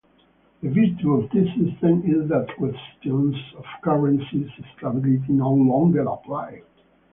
The virtue of this system is that questions of currency stability no longer apply.